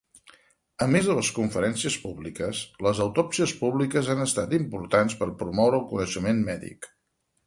A més de les conferències públiques, les autòpsies públiques han estat importants per promoure el coneixement mèdic.